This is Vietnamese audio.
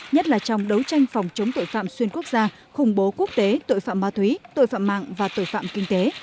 nhất là trong đấu tranh phòng chống tội phạm xuyên quốc gia khủng bố quốc tế tội phạm ma túy tội phạm mạng và tội phạm kinh tế